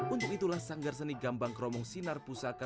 untuk itulah sanggar seni gambang kromong sinar pusaka